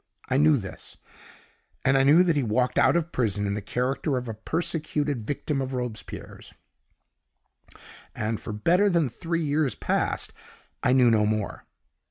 I knew this, and I knew that he walked out of prison in the character of a persecuted victim of Robespierre's and, for better than three years past, I knew no more.